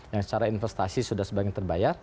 yang secara investasi sudah sebagian terbayar